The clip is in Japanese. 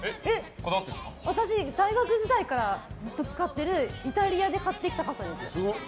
私、大学時代からずっと使ってるイタリアで買ってきた傘です。